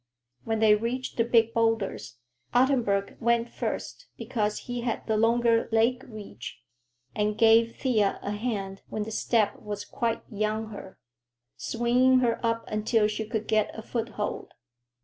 When they reached the big boulders, Ottenburg went first because he had the longer leg reach, and gave Thea a hand when the step was quite beyond her, swinging her up until she could get a foothold.